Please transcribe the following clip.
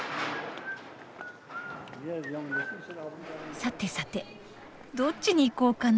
さてさてどっちに行こうかな。